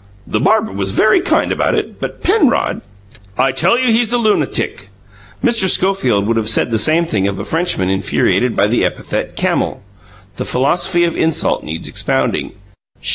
The barber was very kind about it, but Penrod " "I tell you he's a lunatic!" Mr. Schofield would have said the same thing of a Frenchman infuriated by the epithet "camel." The philosophy of insult needs expounding.